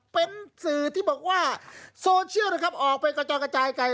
เป็นสื่อที่บอกว่าโซเชียลนะครับออกไปกระจอยกระจายไกล